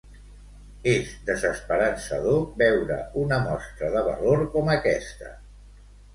És desesperançador veure una mostra de valor com aquesta.